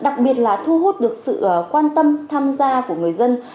đặc biệt là thu hút được sự quan tâm tham gia của người dân